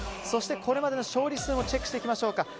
そして、これまでの勝利数もチェックしていきましょうか。